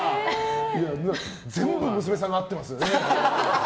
全部娘さんが合ってますね。